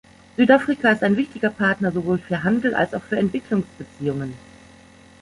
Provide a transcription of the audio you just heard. Südafrika ist ein wichtiger Partner sowohl für Handel als auch für Entwicklungsbeziehungen.